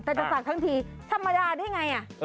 แต่จะสักทั้งทีธรรมดานี่ไงอ่ะ